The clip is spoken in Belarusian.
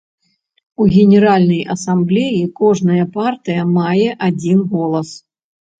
У генеральнай асамблеі кожная партыя мае адзін голас.